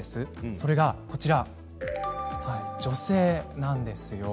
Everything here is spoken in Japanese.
それが女性なんです。